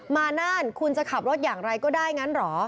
น่านคุณจะขับรถอย่างไรก็ได้งั้นเหรอ